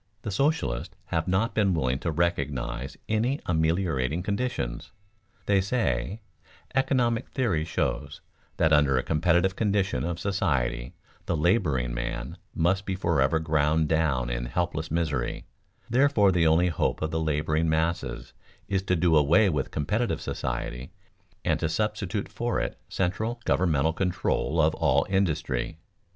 The socialists have not been willing to recognize any ameliorating conditions. They say: economic theory shows that under a competitive condition of society the laboring man must be forever ground down in helpless misery; therefore the only hope of the laboring masses is to do away with competitive society and to substitute for it central, governmental control of all industry.